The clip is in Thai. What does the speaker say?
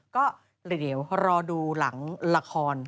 ก็เดี๋ยวรอดูหลังละคร